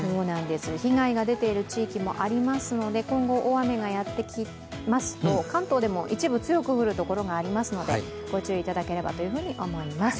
被害が出ている地域もありますので今後、大雨がやってきますと、関東でも一部、強く降る所がありますのでご注意いただければと思います。